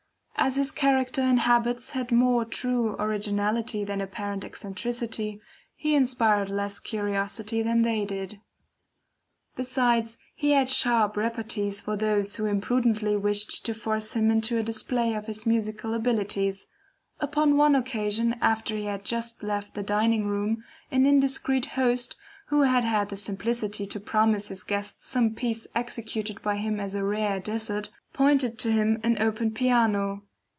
As his character and habits had more true originality than apparent eccentricity, he inspired less curiosity than they did. Besides he had sharp repartees for those who imprudently wished to force him into a display of his musical abilities. Upon one occasion after he had just left the dining room, an indiscreet host, who had had the simplicity to promise his guests some piece executed by him as a rare dessert, pointed to him an open piano.